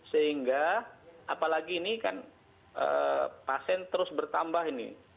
sehingga apalagi ini kan pasien terus bertambah ini